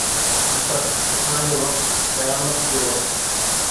اسد! اٿڻ جو وقت ، قيامت جو وقت